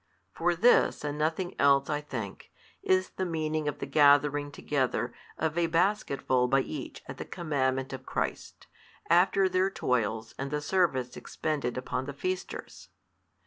For this and nothing else, I think, is the meaning of the gathering together of a basketful by each at the commandment of Christ, after their toils and the service expended upon the feasters.